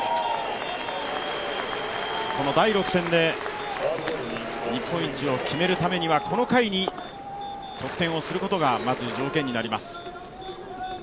この第６戦で日本一を決めるためにはこの回に得点をすることがまず条件になります。